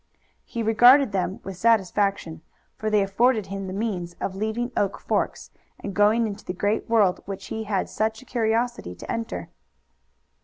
He regarded them with satisfaction, for they afforded him the means of leaving Oak Forks and going into the great world which he had such a curiosity to enter.